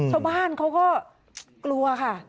ชาวบ้านเขาก็กลัวค่ะ